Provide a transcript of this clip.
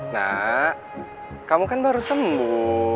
nak kamu kan baru sembuh